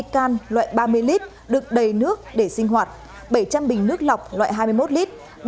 hai mươi can loại ba mươi lít được đầy nước để sinh hoạt bảy trăm linh bình nước lọc loại hai mươi một lít